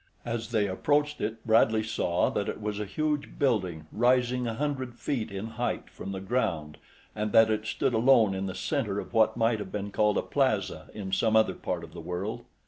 As they approached it, Bradley saw that it was a huge building rising a hundred feet in height from the ground and that it stood alone in the center of what might have been called a plaza in some other part of the world.